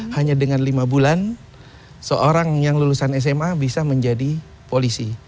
hanya dengan lima bulan seorang yang lulusan sma bisa menjadi polisi